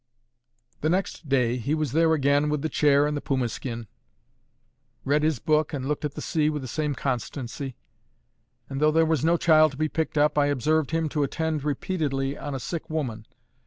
The next day, he was there again with the chair and the puma skin; read his book and looked at the sea with the same constancy; and though there was no child to be picked up, I observed him to attend repeatedly on a sick woman.